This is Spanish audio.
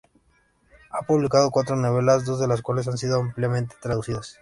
Ha publicado cuatro novelas, dos de las cuales han sido ampliamente traducidas.